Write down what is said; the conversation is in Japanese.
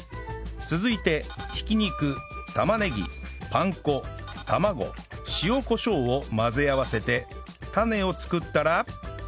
続いて挽き肉玉ねぎパン粉卵塩コショウを混ぜ合わせてタネを作ったら